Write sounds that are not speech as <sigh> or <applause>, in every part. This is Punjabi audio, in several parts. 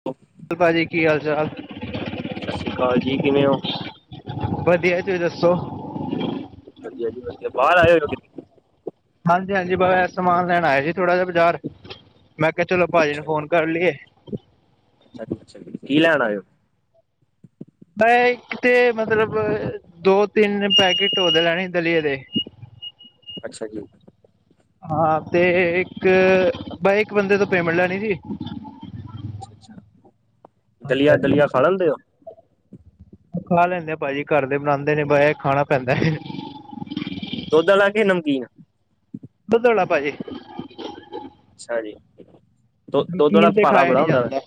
<inaudible> <inaudible> ਭਾਜੀ, ਕੀ ਹਾਲ ਚਾਲ? ਸਤਿ ਸ੍ਰੀ ਅਕਾਲ ਜੀ ਕਿਵੇਂ ਓ? ਵਧੀਆ ਤੁਸੀਂ ਦੱਸੋ? ਵਧੀਆ ਜੀ ਵਧੀਆ ਬਾਹਰ ਆਏ ਓ ਕਿਤੇ। ਹਾਂਜੀ ਹਾਂਜੀ, ਬਾ ਸਮਾਨ ਲੈਣ ਆਇਆ ਸੀ ਥੋੜਾ ਜਾ ਬਾਜ਼ਾਰ ਮੈਂ ਕਿਹਾ ਚਲੋ ਭਾਜੀ ਨੂੰ ਫੋਨ ਕਰ ਲਈਏ। ਅਛਾ, ਕੀ ਲੈਣਾ ਆਇਓ? ਮੈਂ ਇੱਕ ਤੇ ਮਤਲਬ ਦੋ ਤਿੰਨ ਪੈਕੇਟੋ ਓਦੇ ਲੈਣੇ ਦਲੀਏ ਦੇ। ਅੱਛਾ ਜੀ। ਹਾਂ, ਤੇ ਇੱਕ ਬਸ ਇੱਕ ਬੰਦੇ ਤੋਂ ਪੇਮਟ ਲੈਣੀ ਸੀ। ਹਾਂਜੀ ਦਲੀਆ- ਹਾਂਜੀ ਦਲੀਆਂ ਖਾ ਲੈਦੇ ਹੋ? ਖਾ ਲੈਦੇ, ਭਾਜੀ ਘਰ ਦੇ ਬਣਾਉਦੇ ਨੇ, ਪੇ ਖਾਣਾ ਪੈਦਾ। ਦੁਧ ਵਾਲਾ, ਕੇ ਨਮਕੀਨ- ਦੁੱਧ ਆਲਾ ਭਾਜੀ। ਅੱਛਾ ਜੀ। ਦੁ ਦੁੱਧ ਆਲਾ ਨਮਕੀਨ ਤੇ ਭਾਰਾ ਖਾਇਆ ਬੜਾ ਨਈ ਹੁੰਦਾ ਵਾ। ਜਾਦਾ,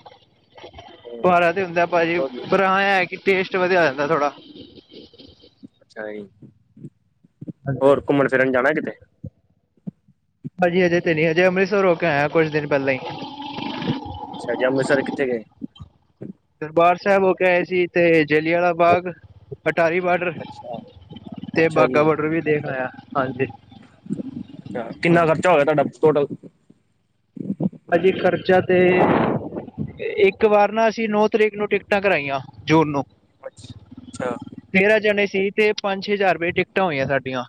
ਹੂੰ। ਭਾਰਾ ਤੇ ਹੁੰਦਾ ਭਾਜੀ ਦੁੱਧ ਪਰਾਆ ਇਹ ਕਿ ਟੇਸਟ ਵਧੀਆ ਹੋ ਜਾਂਦਾ ਥੋੜਾ। ਅੱਛਾ ਜੀ, ਹਾਂਜੀ ਹੋਰ ਹਾਂਜੀ। ਘੁੰਮਣ ਫਿਰਨ ਜਾਣਾ ਕਿਤੇ? ਭਾਜੀ ਹਜੇ ਤੇ ਨੀ ਹਜੇ ਅੰਮ੍ਰਿਤਸਰ ਹੋ ਕੇ ਆਇਆ ਕੁਛ ਦਿਨ ਪਹਿਲਾਂ ਈ। ਅੱਛਾ ਜੀ, ਅੰਮ੍ਰਿਤਸਰ ਕਿੱਥੇ ਗਏ। ਦਰਬਾਰ ਸਾਹਿਬ ਹੋ ਕੇ ਆਏ ਸੀ ਤੇ ਜਲਿਆਂ ਆਲਾ ਬਾਗ ਤੇ ਅਟਾਰੀ ਬਾਰਡਰ। ਅੱਛਾ ਤੇ ਅੱਛਾ ਬਾਗਾ ਜੀ। ਬੋਡਰ ਵੀ ਦੇਖ ਆਇਆ ਹਾਂਜੀ। ਅਛਾ, ਕਿਨਾ ਖਰਚਾ ਹੋ ਗਿਆ ਤੁਹਾਡਾ ਟੋਟਲ? ਹਾਂਜੀ ਖਰਚਾ ਤੇ। ਇੱਕ ਵਾਰ ਨਾ, ਅਸੀਂ ਨੌ ਤਰੀਕ ਨੂੰ ਟਿਕਟਾਂ ਕਰਾਈਆਂ ਜੂਨ ਨੂੰ, ਅੱਛਾ ਅੱਛਾ ਤੇਰਾਂ ਜਣੇ ਸੀ ਤੇ ਪੰਜ ਛੇ ਹਜ਼ਾਰ ਰੁਪਏ ਦੀ ਟਿਕਟਾਂ ਹੋਈਆਂ ਸਾਡੀਆਂ।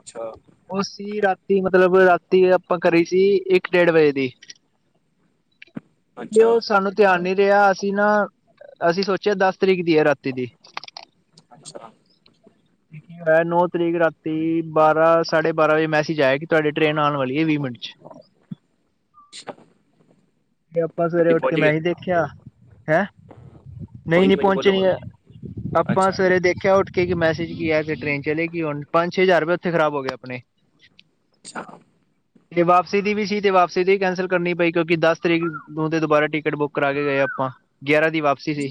ਅੱਛਾ। ਓ ਸੀ ਰਾਤੀ ਮਤਲਬ ਰਾਤੀ ਆਪਾਂ ਕਰੀ ਸੀ ਇੱਕ ਡੇਢ ਵਜੇ ਦੀ। ਤੇ ਅੱਛਾ। ਉਹ ਸਾਂਨੂੰ ਧਿਆਨ ਨੀ ਰਿਹਾ, ਅਸੀ ਨਾ ਅਸੀ ਸੋਚਿਆ ਦਸ ਤਰੀਕ, ਦੀ ਹੈ। ਰਾਤੀ ਦੀ ਅੱਛਾ ਅੱਛਾ। ਮੈ, ਨੌ ਤਰੀਕ ਰਾਤੀ ਬਾਰਾਂ- ਸਾਢੇ ਬਾਰਾਂ ਵਜੇ ਮੈਸਜ ਆਇਆ। ਤੁਹਾਡੀੇ ਟ੍ਰੇਨ ਆਣ ਵਾਲੀ ਐ ਵੀਹ ਮਿੰਟ ਚ। ਆਪਾਂ ਸਵੇਰੇ ਗੱਡੀ ਉੱਠ ਕੇ ਪਹੁੰਚ ਮੈਂ ਗਏ? ਹੀ ਦੇਖਿਆ ਹੈਂ ਨਹੀਂ ਕੋਈ ਨੀ ਕੋਈ ਪਹੁੰਚੇ ਬੋਲੋ ਨੀ। ਬੋਲੋ। ਆਪਾਂ ਅੱਛਾ ਸਵੇਰੇ ਦੇਖਿਆਂ ਉੱਠ ਕੇ ਕੀ ਮੈਸੇਜ ਕੀ ਆਇਆਂ, ਫ਼ਿਰ ਟ੍ਰੇਨ ਚੱਲੇਗੀ ਹੁਣ ਪੰਜ ਛੇ ਹਜ਼ਾਰ ਰੁਪਇਆ ਉੱਥੇ ਖ਼ਰਾਬ ਹੋ ਗਿਆਂ। ਆਪਣੇਂ ਅੱਛਾ। <inaudible> <inaudible> ਤੇ ਵਾਪਸੀ ਦੀਵੀ ਸੀ, ਤੇ ਵਾਪਸੀ ਦੀ ਕੈਸਲ ਕਰਨੀ ਪਈ, ਕਿਉਕਿ ਦਸ ਤਰੀਕ ਨੂੰ ਤੇ ਦੁਬਾਰਾ ਟਿਕਟ ਬੁੱਕ ਕਰਾ ਕੇ, ਗਏ ਆਪਾਂ। ਗਿਆਰਾਂ ਦੀ ਵਾਪਸੀ ਸੀ।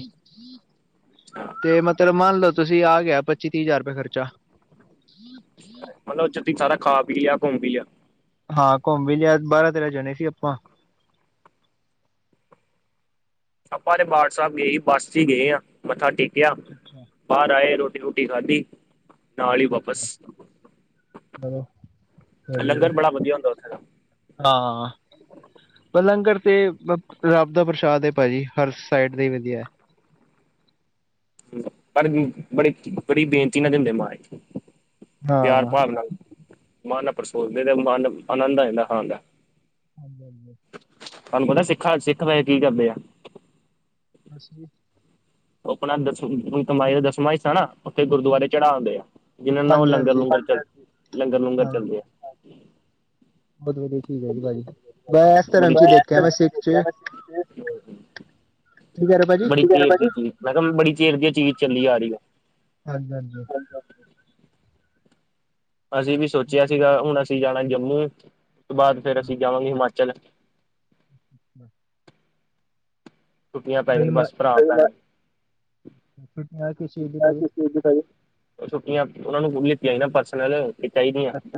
ਅੱਛਾ। ਤੇ ਮਤਲਬ, ਮੰਨ ਲਓ ਤੁਸੀ, ਆ ਗਿਆ ਪੱਚੀ ਤੀਹ ਹਜ਼ਾਰ ਰੁਪਏ ਖਰਚਾ। ਮਤਲਬ ਉਥੇਂ ਸਾਰਾ ਖਾ ਵੀ ਆ ਘੁੰਮ ਵੀ ਆ ਹਾਂ ਘੁੰਮ ਵੀ ਲਿਆ ਬਾਰਾਂ ਤੇਰਾਂ ਜਾਣੇ ਸੀ ਆਪਾਂ। ਆਪਾ ਤੇ ਦਰਬਾਰ ਸਾਹਿਬ ਗਏ ਹੀ, ਬੱਸ ਚ ਗਏ ਆ ਮੱਥਾਂ ਟੇਕਿਆ। ਅੱਛਾ ਅੱਛਾ ਬਾਹਰ ਆਏਂ, ਰੋਟੀ ਰੁਟੀ ਖਾਧੀ। ਨਾਲ ਈ ਅੱਛਾ ਅੱਛਾ ਵਾਪਸ ਚਲੋ ਵਧੀਆ ਲੰਗਰ ਬੜਾ ਵਧੀਆ ਹੁੰਦਾ ਓਥੇ ਦਾ। ਹਾਂ ਪਰ ਲੰਗਰ ਤੇ ਰੱਬ ਦਾ ਪ੍ਰਸ਼ਾਦ ਹੈ ਭਾਜੀ। ਹਰ ਸਾਈਡ ਦਾ ਈ ਵਧੀਆ। ਪਰ ਬੜੇ ਬੜੀ ਬੇਨਤੀ ਨਾਲ ਦਿੰਦੇ ਮਾ ਪਿਆਰ ਹਾਂ ਭਾਵ ਨਾਲ, ਮਨ ਪਰ ਸੋਚਦੇ ਤੇ ਮਨ ਆਨੰਦ ਆ, ਜਾਂਦਾ ਖਾਂਨ ਦਾ- ਹਾਂਜੀ ਹਾਂਜੀ <inaudible> <inaudible> ਤੁਹਾਂਨੂੰ ਪਤਾਂ, ਸਿੱਖਾਂ ਸਿੱਖ ਵੈਹੇ ਕੀ ਕਰਦੇਂ ਆ? <inaudible> ਓ ਆਪਣਾ ਦਸ ਤਮਾਈ ਦਾ ਦਸਵਾਂ ਹਿੱਸਾ ਨਾ ਉੱਥੇ ਗੁਰਦੁਆਰੇ ਚੜਾ ਦਿੰਦੇ ਆ। ਜਿਹਨ੍ਹਾਂ ਨਾਲ, ਉਹ ਹਾਂਜੀ ਲੰਗਰ ਹਾਂਜੀ -ਲੂੰਗਰ ਚੱਲ ਲੰਗਰ ਲੂੰਗਰ ਚੱਲਦੇ ਆ। ਬਹੁਤ ਵਧੀਆ ਠੀਕ ਐ ਜੀ ਭਾਜੀ ਮੈਂ ਏਸ ਬੜੀ ਧਰਮ ਚ ਈ ਦੇਖਿਆ ਮੈਂ ਸਿੱਖ ਚ। ਕੀ ਕਹਿ ਰਹੇ ਭਾਜੀ ਬੜੀ ਦੇਰ ਦੀ, ਚੀਜ਼ ਮੈਂ ਕਿਹਾਂ ਬੜੀ ਚਿਰ ਦੀ, ਚੀਜ਼ ਚੱਲੀ ਆ ਰਹੀ ਹੈਂ। ਹਾਂਜੀ ਹਾਂਜੀ। ਅਸੀ ਵੀ ਸੋਚਿਆ ਸੀਗਾ, ਹੁਣ ਅਸੀ ਜਾਣਾ ਜੰਮੂ, ਉਸ ਤੋ ਬਾਅਦ ਫਿਰ ਅਸੀ ਜਾਵਾਂਗੇ ਹਿਮਾਚਲ। ਬੱਸ <inaudible> ਛੁੱਟਿਆ ਪੈ ਜਾਣ, ਮੈਂ ਬਸ ਭਰਾ ਆਉਦਾਂ - <unintelligible> ਛੁਟੀਆਂ ਉਹਨਾਂ ਹੁਣ ਲਿੱਤੀਆਂ ਸੀ ਨਾ, ਪਰਸਨਲ। ਤੇ ਚਾਹੀਦੀਆਂ। ਅੱਛਾ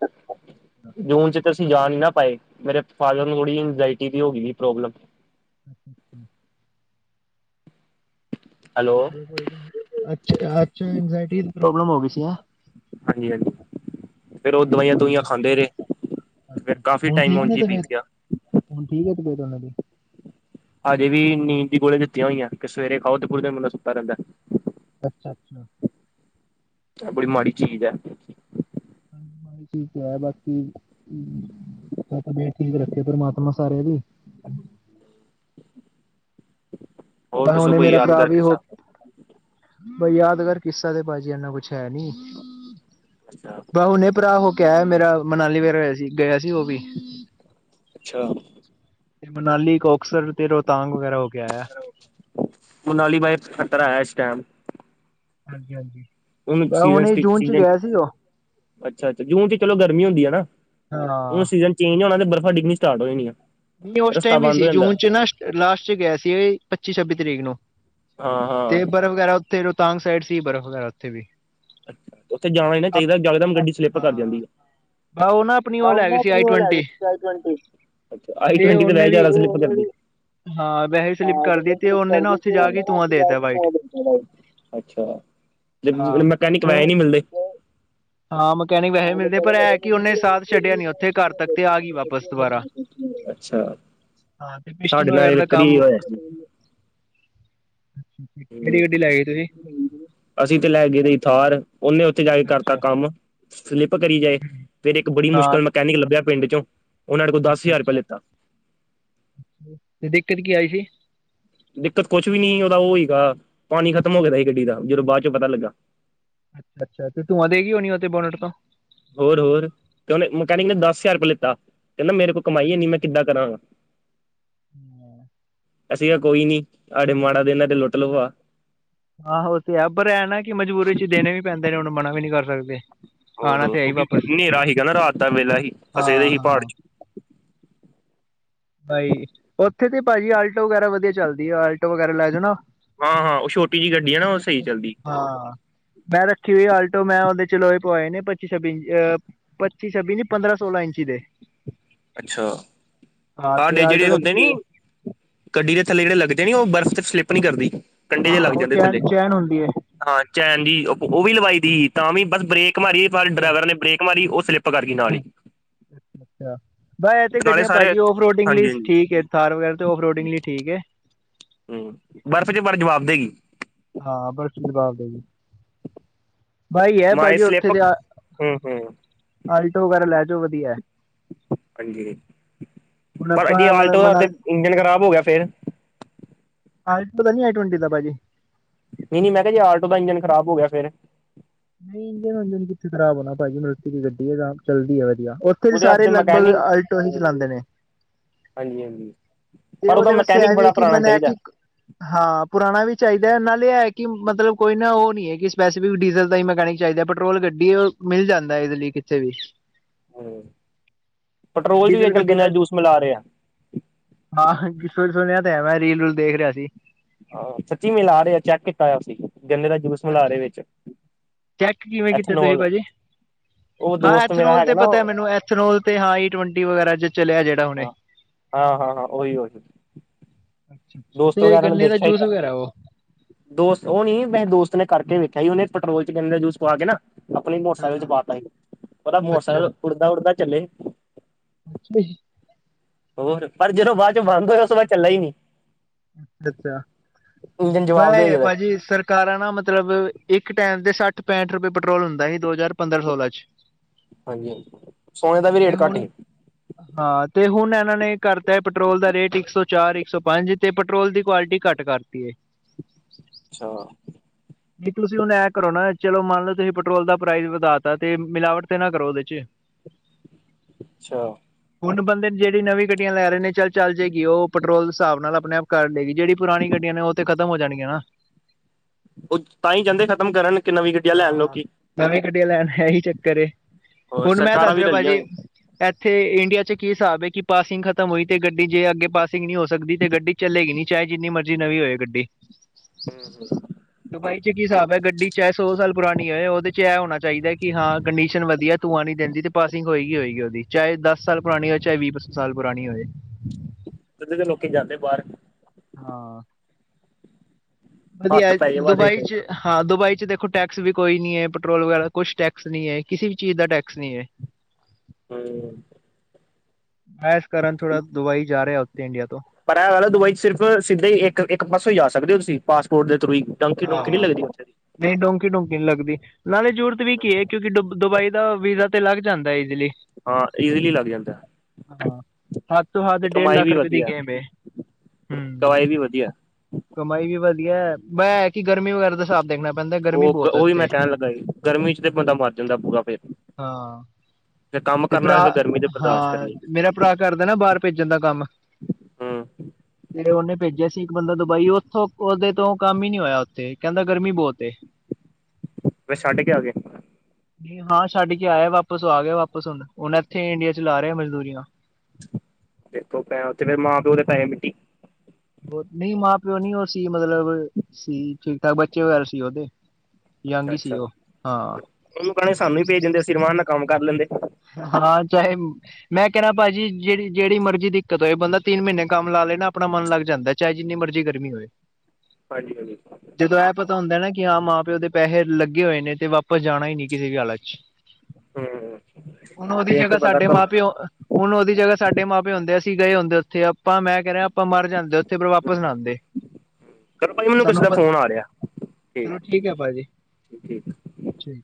<inaudible> ਜੂਨ ਚ ਤੇ ਅਸੀਂ ਜਾ ਨੀਂ ਨਾ ਪਾਏਂ, ਮੇਰੇ ਫਾਦਰ ਨੂੰ ਥੋੜ੍ਹੀ ਇੰਜਾਇਟੀ ਦੀ ਹੋ ਗਈ ਸੀ ਪ੍ਰੋਬਲਮ। <inaudible> ਹੈਲੋ- ਕੋ ਅੱਛਾ ਅੱਛਾ ਇੰਜਾਇਟ ਜੀ ਪ੍ਰੋਬਲਮ ਹੋ ਗਈ ਸੀ ਹੈ। ਹਾਂਜੀ, ਹਾਂਜੀ। ਫੇਰ ਉਹ ਚਲੋ ਦਵਾਈਆਂ ਕੋਈ ਦੁਵਾਈਆਂ ਨੀ ਖਾਂਦੇ ਰਹੇ, ਫੇਰ ਅੱਛਾ ਕਾਫੀ ਹੁਣ ਟਾਈਮ ਠੀਕ ਨੇ ਉਝਹੀ ਬੀਤ ਤਬੀਅਤ ਗਿਆ। ਹੁਣ ਠੀਕ ਹੈ, ਤਬੀਯਤ ਉਹਨਾਂ ਦੀ ਹਜੇ ਵੀ ਨੀਂਦ ਦੀ ਗੋਲੀ ਦਿੱਤੀਆਂ ਹੋਈਆਂ ਕਿ ਸਵੇਰੇ ਖਾਓ ਤੇ ਪੂਰੇ ਦਿਨ ਬੰਦਾ ਸੁੱਤਾ ਰੈਂਦਾ। <inaudible> ਐ ਬੜੀ ਮਾੜੀ ਚੀਜ਼ ਐ। ਹਾਂਜੀ ਮੈਂ ਠੀਕ ਐ ਬਾਕੀ ਹੂੰ, ਤਬੀਯਤ ਠੀਕ ਰੱਖੇ ਪਰਮਾਤਮਾ ਸਾਰੇਆਂ ਦੀ- ਮੈਂ ਹੋਰ ਕਿਹਾ ਦੱਸੋ ਹੁਨੇ ਕੋਈ ਮੇਰਾ ਭਰਾ ਯਾਦਗਾਰ ਵੀ ਓ ਕਿੱਸਾ ਯਾਦਗਾਰ ਕਿੱਸਾ ਤੇ ਭਾਜੀ ਐਨਾ ਕੁਛ ਹੈ ਨੀ- ਬਾ ਹੁਣੇ ਭਰਾ ਹੋ ਕੇ ਆਯਾ ਮੇਰਾ, ਮਨਾਲੀ ਵੇਰਾਰਾ ਹੋਇਆ ਸੀ ਗਿਆ ਸੀ ਉਹ ਵੀ- ਅਛਾ- ਤੇ ਮਨਾਲੀ ਕੌਕਸਰ ਤੇ ਰੋਹਤਾਂਗ ਵਗੈਰਾ ਹੋ ਕੇ ਆਇਆ। ਮਨਾਲੀ ਬਾਈ ਖ਼ਤਰਾ ਐਂ, ਇਸ ਟਾਇਮ। ਹਾਂਜੀ ਹਾਂਜੀ। ਉਹਨੂੰ ਹੁਣੇ ਜੂਨ ਚ ਸੀਜ਼ਨ <unintelligible> ਗਿਆ ਸੀ ਉਹ ਅੱਛਾ ਅੱਛਾ, ਜੂਨ ਚ ਚਲੋ ਗਰਮੀ ਹੁੰਦੀ ਆ ਨਾ ਹੁਨ ਹਾਂ। ਸੀਜ਼ਨ ਚੇਂਜ ਹੋਣਾ ਤੇ ਬਰਫ਼ਾਂ ਡਿੱਗਣੀ ਸਾਰਟ ਹੋ ਜਾਣੀ ਆ। ਨਈ ਉਸ ਟਾਈਮ ਵੀ ਸੀ ਜੂਨ ਚ ਨਾ ਲਾਸਟ ਚ ਗਿਆ ਸੀ ਪੱਚੀ ਛੱਬੀ ਤਰੀਕ ਨੂੰ। ਹਾਂ- ਹਾਂ- ਤੇ ਬਰਫ਼ ਵਗ਼ੈਰਾ ਉਤੇ ਰੋਹਤਾਂਗ ਸਾਈਡ ਸੀਂ, ਬਰਫ਼ ਵਗ਼ੈਰਾ ਉੱਥੇ ਵੀ ਅ ਉੱਥੇ ਜਾਣਾ ਨੀ ਨਾ ਚਾਹੀਦਾ <unintelligible> ਗੱਡੀ ਸਲਿੱਪ ਕਰ ਹਾਂ ਜਾਂਦੀ ਆ। ਬ ਉਹ ਨਾ ਆਪਣੀ ਉਹ ਲੈ ਗਏ ਸੀ ਆਈ ਟਵੰਟੀ ਤੇ ਉਹਨੇ ਵੀ <inaudible> ਹਾਂ। ਵੈਸੇ ਸਲਿਪ ਕਰਦੀ ਤੇ <unintelligible> ਉਹਨੇ ਨਾ ਉੱਥੇ ਜਾ ਕੇ ਧੂੰਆਂ ਦੇਤਾ ਵਾਈਟ ਅੱਛਾ, ਤੇ ਹਾਂ ਮਕੈਨਿਕ ਤੇ ਵੈਸੇ ਨੀਂ ਮਿਲ਼ਦੇ। ਹਾਂ ਮਕੈਨਿਕ ਵੈਸੇ ਨੀ ਮਿਲਦੇ, ਪਰ ਇਹ ਕਿ ਉਹਨੇ ਸਾਥ ਛੱਡਿਆ ਨੀ ਉਥੇ, ਘਰ ਤੱਕ ਤੇ ਆ ਗਈ ਵਾਪਸ ਦੁਬਾਰਾ। ਅੱਛਾ, ਹਾਂ ਤੇ ਪਿਸਟਨ ਸਾਡੇ ਵਗੈਰਾ ਨਾਲ ਦਾ ਇੱਕ ਕੰਮ ਵਾਰੀ ਹੋਇਆ ਸੀ। ਕਿਹੜੀ ਗੱਡੀ ਲੈ ਗਈ ਤੁਸੀ- ਅਸੀ ਤੇ ਲੈ ਗਏ ਸੀ ਥਾਰ, ਉਹਨੇ ਉਥੇ ਜਾ ਕੇ ਕਰਤਾ ਅੱਛਾ ਕਮ ਫਲਿੱਪ ਕਰੀਂ ਜਾਏਂ, ਫ਼ਿਰ ਇੱਕ ਬੜੀ ਹਾਂ ਮੁਸ਼ਿਕਲ ਮਕੈਨਿਕ ਲੱਭਿਆਂ ਪਿੰਡ ਚੋਂ ਉਹਨਾਂ ਨੇ ਕੋਲ ਦਸ ਅੱਛਾ ਹਜ਼ਾਰ ਰੁਪਇਆ ਅੱਛਾ, ਲਿੱਤਾ ਤੇ ਦਿੱਕਤ ਕੀ ਆਈ ਸੀ? ਦਿੱਕਤ ਕੁਛ ਵੀ ਨੀ ਉਹਦਾ ਉਹ ਹੀਗਾ, ਪਾਣੀ ਖ਼ਤਮ ਹੋ ਗਿਆਦਾ ਗੱਡੀ ਦਾ, ਜਦੋਂ ਬਾਅਦ ਚੋਂ ਪਤਾ ਲੱਗਾ। ਅੱਛਾ ਅੱਛਾ, ਤੇ ਤੂੰਆ ਦੇਗੀ ਹੋਣੀ ਉਹ ਤੇ, ਬੋਨਟ ਤੋਂ? ਹੋਰ ਹੋਰ, ਤੇ ਉਹਨੇ ਮਕੈਨਿਕ ਨੇ ਦੱਸ ਹਜ਼ਾਰ ਰੁਪਏ ਲਿੱਤਾ, ਕਹਿੰਦਾ ਮੇਰੇ ਕੋਲ ਕਮਾਈ ਐਨੀ ਅੱਛਾ ਮੈਂ ਕਿੱਦਾਂ ਕਰਾਂਗਾ। ਹਮ <inaudible> ਅਸੀਂ ਤਾਂ ਕੋਈ ਨੀ, ਸਾਡੇ ਮਾੜਾ ਦਿਨ ਆ, ਤੇ ਲੁੱਟ ਲੂ ਗਾ ਆਹੋ ਉਹ ਤੇ ਹੈ, ਪਰ ਐ ਨਾ ਕਿ ਮਜ਼ਬੂਰੀ ਚ ਦੇਣੇ ਵੀ ਪੈਂਦੇ ਨੇ, ਉਹਨੂੰ ਮਨਾ ਵੀ ਨਹੀਂ ਕਰ ਸਕਦੇ। ਹੋਰ ਆਣਾ ਹੋਰ ਤੇ ਹੈ ਹੀ ਕਿਉਕਿ ਵਾਪਸ ਹਨੇਰਾ ਸੀਗਾ ਨਾ, ਰਾਤ ਦਾ ਵੇਲਾ ਹੀ ਹਾਂ ਫਸੇ ਦੇ ਸੀ ਪਹਾੜ ਹਾਂ ਚ। ਬਾਈ ਉੱਥੇ ਤੇ ਭਾਜੀ ਆਲਟੋ ਵਗੈਰਾ ਵਧੀਆ ਚੱਲਦੀ ਆ, ਆਲਟੋ ਵਗੈਰਾ ਲੈ ਜਾਓ ਨਾ। ਹਾਂ ਹਾਂ ਉਹ ਛੋਟੀ ਜਿਹੀ ਗੱਡੀ ਹੈ ਨਾ, ਉਹ ਸਲਿੱਪ ਸਹੀ ਚੱਲਦੀ। ਹਾਂ। ਮੈਂ ਰੱਖੀ ਹੋਈ ਆਲਟੋ, ਮੈਂ ਉਹਦੇ ਚ ਲੋਹੇ ਪਵਾਏ ਨੇ ਪੱਚੀ ਛੱਬੀ ਆ ਪੱਚੀ ਛੱਬੀ ਨੀ, ਪੰਦਰਾਂ ਸੋਲਾਂ ਇੰਚੀ ਦੇ। ਅੱਛਾ, ਹਾਂ ਆ ਤੇ ਜਿਹੜੇ ਆਲਟੋ ਹੁੰਦੇ ਰੱਖੀ ਨੀ। ਹੋਈ ਗੱਡੀ ਦੇ ਥੱਲੇ ਜਿਹੜੇ ਲੱਗਦੇ ਨੀ, ਉਹ ਬਰਫ਼ ਤੇ ਸਲਿੱਪ ਨੀ ਕਰਦੀ, ਕੰਢੇ ਜਹੇ ਲੱਗ ਹਾਂ ਉਹ ਜਾਂਦੇ ਚੈਨ ਥੱਲੇ। ਚੈਨ ਹੁੰਦੀ ਹੈ ਹਾਂ ਚੈਨ ਜੀ, ਉਹ ਵੀ ਲਵਾਈ ਦੀ ਹੀ, ਤਾਂ ਵੀ ਬਸ ਬ੍ਰੇਕ ਮਾਰੀ ਅੱਛਾ ਪਰ ਅੱਛਾ ਡਰਾਈਵਰ ਨੇ ਬ੍ਰੇਕ ਮਾਰੀ ਉਹ ਸਲਿੱਪ ਸਲਿੱਪ ਕਰ ਗਈ ਨਾਲ ਹੀ। ਅੱ <inaudible> ਅੱਛਾ, ਬਾ ਇਹ ਤੇ ਨਾਲੇ ਗੱਡੀਆਂ ਸਾਰੇ ਭਾਜੀ ਔਫਰੋਡਿੰਗ ਲਈ ਹਾਂਜੀ-ਹਾਂਜੀ ਠੀਕ ਐ, ਥਾਹਰ ਵਗੈਰਾ ਤੇ ਔਫਰੋਡਿੰਗ ਲਈ ਠੀਕ ਐ। ਹੂੰ, ਬਰਫ਼ ਚ ਪਰ ਜਵਾਬ ਦੇਗੀ। ਹਾਂ ਬਰਸ਼ ਚ ਜਵਾਬ ਦੇ ਗਈ ਬਾਈ ਇਹ ਹੀ ਐ, ਮੈਂ ਭਾਜੀ ਇਸ ਸਲਿੱਪ ਉੱਥੇ ਦੇ ਆ, ਹੂੰ ਹੂੰ ਆਲਟੋ ਵਗੈਰਾ ਲੈ ਜਾਓ ਵਧੀਆ। ਹਾਂਜੀ, ਹੁਣ ਪਰ ਆਪਾਂ ਜੇ ਮਤਲਬ ਆਲਟੋ ਦਾ ਤੇ ਮਨਾਲੀ ਇੰਜਨ ਖ਼ਰਾਬ ਹੋ ਗਿਆ ਫੇਰ? ਆਲਟੋ ਦਾ ਨੀ, ਆਈ ਟਵੰਟੀ ਦਾ ਭਾਜੀ। ਨਹੀਂ ਨਹੀਂ ਮੈਂ ਕਿਹਾ ਜੇ ਆਲਟੋ ਦਾ ਇੰਜਨ ਖਰਾਬ ਹੋ ਗਿਆ ਫੇਰ ਨਹੀਂ ਇੰੰਥੇ ਕਿੱਥੇ ਖਰਾਬ ਹੋਣਾ, ਭਾਜੀ ਮਾਰੂਤੀ ਦੀ ਗੱਡੀ ਹੈ, ਤਾਂ ਚੱਲਦੀ ਹੈ ਵਧੀਆ। ਫਿਰ ਉਹਦੇ ਸਾਰੇ ਵਾਸਤੇ ਲਗਭਗ ਮਕੈਨਿਕ ਆਲਟੋ ਹੀ ਚਲਾਉਂਦੇ ਨੇ। ਹਾਂਜੀ ਹਾਂਜੀ ਤੇ ਪਰ ਉਹਦਾ ਉਹਦੇ ਵਾਸਤੇ ਮਕੈਨਿਕ ਇਹ ਬੜਾ ਵੀ ਕਿ ਪੁਰਾਣਾ ਮਨ ਹੈ ਚਾਹੀਦਾ ਕਿ ਹਾਂ, ਪੁਰਾਣਾ ਵੀ ਚਾਹੀਦੈ, ਨਾਲੇ ਇਹ ਹੈ ਕਿ ਮਤਲਬ ਕੋਈ ਨਾ ਉਹ ਨਹੀਂ ਹੈ ਕਿ ਸਪੈਸੀਫਿਕ ਡੀਜ਼ਲ ਨਹੀ ਮੈਕੈਨਿਕ ਚਾਹੀਦਾ, ਪੈਟਰੋਲ ਗੱਡੀ, ਉਹ ਮਿਲ ਜਾਂਦੈ, ਇਹਦੇ ਲਈ, ਕਿਤੇ ਵੀ ਪੈਟਰੋਲ ਚ ਵੀ ਡੀਜ਼ਲ ਅੱਜ ਕੱਲ ਗੱਡੀ ਗੰਨੇ ਦਾ ਜੂਸ ਮਿਲਾ ਰਹੇ ਆ ਹਾਂ, ਹਾਂ, ਕਿਥੇ ਸੁਣਿਆ ਤੇ ਹੈ ਮੈਂ, ਰੀਲ ਰੂਲ ਦੇਖ ਰਿਹਾ ਸੀ। ਆਹੋ। ਸੱਚੀ, ਮਿਲਾ ਰੇ ਆਂ। ਚੈਕ ਕੀਤਾ ਹੋਇਐ ਅਸੀ। ਗੰਨੇ ਦਾ ਜੂਸ ਮਿਲਾ ਅੱਛਾ ਰਹੇ ਜੀ? ਵਿੱਚ ਚੈਕ ਕਿਵੇਂ ਕੀਤੇ ਤੁਸੀਂ, ਐਥਨੋਲ ਭਾਜੀ? ਉਹ ਹਾਂ, ਦੋਸਤ ਮੇਰਾ ਐਥਨੋਲ ਹੈਗਾ ਤੇ ਨਾ ਪਤਾ ਏ ਮੈਨੂੰ, ਐਥਨੋਲ ਤੇ ਆਈ ਟਵੰਟੀ ਵਗੈਰਾ 'ਚ ਚਲਿਅਐ ਜੜ ਹਾਂ, ਹਾਂ- ਹਾਂ- ਹਾਂ ਓਹੀ ਹੋ ਅੱਛਾ, ਅੱਛਾ। ਤੇ ਗੰਨੇ ਦਾ ਹੀ ਜੂਸ ਕਰਕੇ ਵਗੈਰਾ ਉਹ ਦੋਸਤ, ਉਹ ਨੀ, ਮੈਂ ਦੋਸਤ ਨੇ ਕਰਕੇ ਵੇਖਿਆ ਹੀ, ਉਹਨੇ ਪੈਟਰੋਲ ਚ ਗੰਨੇ ਦਾ ਜੂਸ ਪਾ ਕੇ ਨਾ ਆਪਣੇ ਹਾਂ ਮੋਟਰਸਾਈਕਲ ਚ ਹਾਂ ਪਾ ਤਾਂ ਹੀ, ਉਹਦਾ ਅੱਛਾ ਮੋਟਰਸਾਈਕਲ ਉੱੜਦਾ- ਉੱੜਦਾ ਚੱਲੇ। ਅੱਛਾ। <unintelligible> ਹੋਰ, ਪਰ ਜਦੋਂ ਬਾਅਦ ਚੋਂ ਬੰਦ ਹੋਇਆ ਉਸ ਤੋਂ, ਬਾਅਦ ਚੱਲਨਾ ਹੀ ਨਈ ਅੱਛਾ, ਅੱਛਾ ਜਵਾਬ ਦੇ ਹੈਗਾ ਬਾਏਭਾਜੀ ਸਰ ਕਾਰਾਂ ਨਾ, ਮਤਲਬ ਇੱਕ ਟਾਈਮ ਦੇ ਸੱਠ ਪੈਂਠ ਰੁਪਏ ਪਟਰੋਲ ਹੁੰਦਾ ਹੀ, ਦੋ ਹਜ਼ਾਰ ਪੰਦਰਾਂ ਸੋਲਾਂ ਚ। ਹਾਂਜੀ ਹਾਂਜੀ, ਸੋਣੇ ਦਾ ਵੀ ਰੇਟ ਇਹ ਹੁਣ ਘੱਟ ਹੀ ਹਾਂ, ਤੇ ਹੁਣ ਏਨਾਂ ਨੇ ਕਰਤੈ ਪਟਰੋਲ ਦਾ ਰੇਟ ਇੱਕ ਸੌ ਚਾਰ- ਇੱਕ ਸੌ ਪੰਜ ਤੇ ਪਟਰੋਲ ਦੀ ਕਵਾਲਟੀ ਘੱਟ ਕਰਤੀ ਏ। ਅੱਛਾ। ਵੀ ਤੁਸੀਂ ਹੁਣ ਐਂ ਕਰੋ ਨਾ, ਚਲੋਂ ਮੰਨ ਲਓ ਤੁਸੀਂ ਪਟਰੋਲ ਦਾ ਪ੍ਰਾਈਜ਼ ਵਧਾ ਤਾ ਤੇ ਮਿਲਾਵਟ ਤੇ ਨਾ ਕਰੋ ਉਹਦੇ ਚ। ਹ <inaudible> ਅੱਛਾ। ਹੁਣ ਬੰਦੇ ਜਿਹੜੀ ਨਵੀਂ ਗੱਡੀਆਂ ਲੈ ਰਹੇ ਨੇ, ਚੱਲ ਚੱਲ ਜਾਏਗੀ ਉਹ ਪਟਰੋਲ ਹਿਸਾਬ ਨਾਲ ਆਪਣੇ ਆਪ ਕਰ ਲਏਗੀ, ਜਿਹੜੀ ਪੁਰਾਣੀ ਗੱਡੀਆਂ ਨੇ ਉਹ ਤੇ ਖਤਮ ਹੋ ਜਾਣਗੀਆਂ ਨਾ! ਉਹ ਤਾਂ ਹੀ ਚਾਂਦੇ ਖ਼ਤਮ ਕਰਨ ਕਿ ਨਵੀਂ ਗੱਡੀਆਂ ਲੈਣ ਲੋਕੀਂ ਨਵੀ ਗੱਡੀਆਂ ਲੈਣ, ਇਹੀ ਚੱਕਰ ਏ, ਹੋਰ ਹੁਣ ਮੈਂ ਸਰਕਾਰਾਂ ਦੱਸ ਵੀ ਰਿਹਾ ਲੈ ਭਾ ਲਈਆਂ ਜੀ ਐਥੇ ਇੰਡੀਆ ਚ ਕੀ ਹਿਸਾਬ ਹੈ ਕਿ ਪਾਸਿੰਗ ਖ਼ਤਮ ਹੋਈ ਤੇ ਗੱਡੀ ਜੇ ਅੱਗੇ ਪਾਸਿੰਗ ਨਹੀਂ ਹੋ ਸਕਦੀ ਤੇ ਗੱਡੀ ਚਲੇਗੀ ਨੀ, ਚਾਏ ਜਿੰਨੀ ਮਰਜ਼ੀ ਨਵੀਂ ਹੋਏ ਗੱਡੀ। ਹੂੰ ਹੂੰ ਦੁਬਈ ਚ ਕੀ ਹਿਸਾਬ ਐ, ਗੱਡੀ ਚਾਹੇ ਸੌ ਸਾਲ ਪੁਰਾਣੀ ਹੋਏ, ਉਹਦੇ 'ਚ ਇਹ ਹੋਣਾ ਚਾਹੀਦਾ ਕਿ ਹਾਂ ਕੰਡੀਸ਼ਨ ਵਧੀਐ, ਧੂੰਆ ਨੀ ਦਿੰਦੀ ਤੇ ਪਾਸਿੰਗ ਹੋਏਗੀ- ਹੋਏਗੀ, ਉਹਦੀ। ਚਾਏ ਦੱਸ ਸਾਲ ਪੁਰਾਣੀ ਹੋਏ, ਚਾਏ ਵੀਹ ਸਾਲ ਪੁਰਾਣੀ ਹੋਏ। ਤਦੇ ਤੇ ਲੋਕੀ ਜਾਂਦੇ ਬਾਰ ਹਾਂ। ਵਧੀਐ, ਹੱਥ ਪੈ ਜੇ ਬਸ ਇੱਕ ਦੁਬਈ ਚ ਹਾਂ, ਦੁਬਈ ਚ ਦੇਖੋ ਟੈਕਸ ਵੀ ਕੋਈ ਨੀ ਏ, ਪਟਰੋਲ ਵਗੈਰਾ ਕੁਛ ਟੈਕਸ ਨਹੀਂ ਏ, ਕਿਸੀ ਵੀ ਚੀਜ਼ ਦਾ ਟੈਕਸ ਨਹੀਂ ਏ। <inaudible> ਹੂੰ <unintelligible> ਮੈਂ ਐਸ ਕਾਰਨ ਥੋੜਾ ਦੁਬਈ ਜਾ ਰਿਹਾ ਓਤੇ, ਇੰਡੀਆ ਤੋਂ ਪਰ ਇਹ ਗਲ ਐ ਦੁਬਈ 'ਚ ਸਿਰਫ਼ ਸਿੱਧੇ ਈ ਇੱਕ ਇਕ ਪਾਸੋ ਹੀ ਜਾ ਸਕਦੇ ਹੋ ਤੁਸੀਂ ਪਾਸਪੋਰਟ ਦੇ ਥਰੂ ਈ। ਡੰਕੀ-ਡੂੰਕੀ ਨੀ ਹਾਂ ਲੱਗਦੀ, ਉਥੇ? ਨਹੀਂ, ਡੋਂਕੀ-ਡੂੰਕੀ ਨਈ ਲੱਗਦੀ। ਨਾਲੇ, ਜੂਰਤ ਵੀ ਕੀ ਏ ਕਿਉਂਕਿ ਦੁਬ ਦੁਬਈ ਦਾ ਵੀਜ਼ਾ ਤੇ ਲੱਗ ਜਾਂਦੈ, ਇਜ਼ਲੀ ਹਾਂ ਈਜ਼ਲੀ ਲੱਗ ਜਾਂਦੈ, ਹਾਂ ਹੱਥ ਤੋਂ ਹੱਥ ਤੇ ਡੇਢ ਕਮਾਈ ਲੱਖ ਵੀ ਰੁਪਏ ਦੀ ਵਧੀਆ। ਗੇਮ ਹੈ ਹੂੰ ਕਵਾਏ ਵੀ ਵਧੀਆ। ਕਮਾਈ ਵੀ ਵਧੀਐ, ਬਾ ਐ ਹੈ ਕਿ ਗਰਮੀ ਵਗੈਰਾ ਦਾ ਹਿਸਾਬ ਦੇਖਣਾ ਪੈਂਦਾ ਗਰਮੀ ਉਹ ਬਹੁਤ ਹੈ ਉਹੀ ਮੈਂ ਇੱਥੇ ਕਹਿਣ ਲੱਗਾ ਹੀ, ਗਰਮੀ ਚ ਤੇ ਬੰਦਾ ਮਰ ਜਾਂਦਾ ਬੂਰਾ ਫੇਰ। ਹਾਂ। ਜੇ ਕੰਮ ਕਰਨਾ ਤੇ ਫਿਰ ਗਰਮੀ ਤੇ ਬਰਦਾਸ਼ਤ ਹਾਂ ਕਰਨੀ ਮੇਰਾ ਭਰਾ ਕਰਦਾ ਨਾ ਬਾਹਰ ਭੇਜਣ ਦਾ ਕੰਮ ਹਾਂ। ਤੇ ਉਹਨੇ ਭੇਜਿਆ ਸੀ ਇੱਕ ਬੰਦਾ ਦੁਬਈ, ਉੱਥੋਂ ਉਹਦੇ ਤੋਂ ਕੰਮ ਹੀ ਨੀ ਹੋਇਆ। ਤੇ ਕਹਿੰਦਾ ਗਰਮੀ ਬਹੁਤ ਏ। ਬਸ ਛੱਡੇ ਕੇ ਆ ਗਏ। ਨਹੀਂ ਹਾਂ ਛੱਡ ਕੇ ਆਇਆ ਵਾਪਸ ਆ ਗਿਆ ਵਾਪਿਸ ਹੁਣ, ਉਹੇ ਇੱਥੇ ਇੰਡੀਆ ਚ ਲਾ ਰਿਹਾ ਮਜ਼ਦੂਰੀਆਂ। ਦੇਖੋ ਪੈ ਕਿਵੇਂ ਮਾਂ ਪਿਓ ਦੇ ਪੈਹੈ ਮਿੱਟੀ। ਨਹੀਂ ਮਾਂ ਪਿਓ ਨੀ ਉਹ ਸੀ, ਮਤਲਬ ਸੀ ਠੀਕ ਠਾਕ ਬੱਚੇ ਵਗੈਰਾ ਸੀ ਉਹਦੇ। ਯੰਗ ਹੀ ਅੱਛਾ! ਸੀ ਉਹ ਹਾਂ ਉਹਨੂੰ ਕਹਿਣੇ ਸਾਨੂੰ ਹੀ ਭੇਜ ਦਿੰਦੇ ਅਸੀਂ ਆਰਾਮ ਨਾਲ ਕੰਮ ਕਰ ਲੈਂਦੇ। ਹਾਂ ਚਾਹੇ। ਮੈਂ ਕਹਿਣਾ ਭਾਜੀ ਜਿਹੜੀ ਜਿਹੜੀ ਮਰਜ਼ੀ ਦਿੱਕਤ ਹੋਏ ਬੰਦਾ ਤਿੰਨ ਮਹੀਨੇ ਕੰਮ ਲਾ ਲਏ ਨਾ ਆਪਣਾ ਮਨ ਲੱਗ ਜਾਂਦਾ। ਚਾਹੇ ਜਿੰਨੀ ਮਰਜ਼ੀ ਗਰਮੀ ਹੋਏ। ਹਾਂਜੀ ਹਾਂਜੀ। ਜਦੋਂ ਇਹ ਪਤਾ ਹੁੰਦਾ ਨਾ ਕਿ ਹਾਂ ਮਾਂ ਪਿਓ ਦੇ ਪੈਸੇ ਲੱਗੇ ਹੋਏ ਨੇ ਤੇ ਵਾਪਸ ਜਾਣਾ ਹੀ ਨੀ ਕਿਸੇ ਵੀ ਹਾਲਤ ਵਿੱਚ। ਹੂੰ ਹੁਣ ਉਹਦੀ ਫੇਰ ਜਗ੍ਹਾ ਤੇ ਬੰਦਾ ਸਾਡੇ ਕੰਮ ਮਾਂ ਪਿਓ। ਹੁਣ ਉਹਦੀ ਜਗ੍ਹਾ ਸਾਡੇ ਮਾਂ ਪਿਓ ਹੁੰਦੇ, ਅਸੀਂ ਗਏ ਹੁੰਦੇ ਉੱਥੇ ਆਪਾਂ ਮੈਂ ਕਹਿ ਰਿਹਾ ਆਪਾਂ ਮਰ ਜਾਂਦੇ। ਤੇ ਫਿਰ ਪਰ ਵਾਪਿਸ ਨਾ ਆਉਂਦੇ ਚਲੋ ਭਾਜੀ ਮੈਨੂੰ ਕਿਸੇ ਸਾਨੂੰ ਦਾ ਤਾਂ ਫੋਨ ਆ ਰਿਹਾ ਚਲੋ। ਠੀਕ ਹੈ ਭਾਜੀ ਠੀਕ ਠੀਕ। ਠੀਕ।